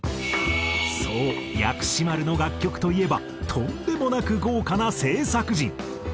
そう薬師丸の楽曲といえばとんでもなく豪華な制作陣。